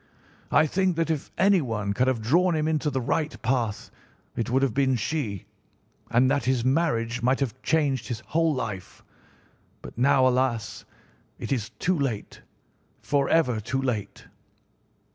I think that if anyone could have drawn him into the right path it would have been she, and that his marriage might have changed his whole life; but now, alas! it is too late—forever too late!